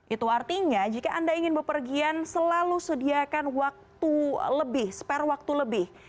itu artinya jika anda ingin berpergian selalu sediakan waktu lebih spare waktu lebih